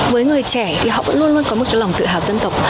với người trẻ thì họ vẫn luôn luôn có một cái lòng tự hào dân tộc